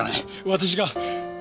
私が。